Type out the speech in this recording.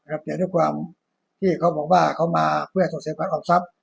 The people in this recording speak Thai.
แต่ด้วยความที่เขาบอกว่าเขามาเพื่อส่งเสียบัตรออกทรัพย